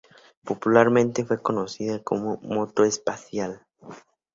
Popularmente fue conocida como "moto espacial".